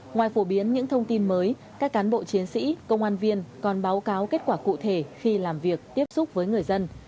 ngoài phổ biến những thông tin mới các cán bộ chiến sĩ công an viên còn báo cáo kết quả cụ thể khi làm việc tiếp xúc với người dân